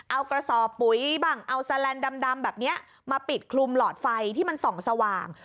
เอากระสอบปุ๋ยบ้างเอาแลนด์ดำแบบนี้มาปิดคลุมหลอดไฟที่มันส่องสว่าง